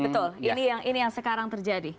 betul ini yang sekarang terjadi